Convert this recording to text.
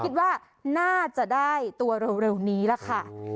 คิดว่าน่าจะได้ตัวเร็วนี้ล่ะค่ะ